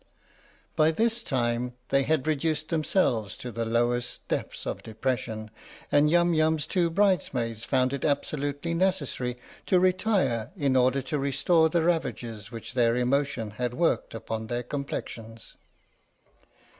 By this time they had reduced themselves to the lowest depths of depression, and Yum Yum's two bridesmaids found it absolutely necessary to retire in order to restore the ravages which their emotion had worked upon their complexions.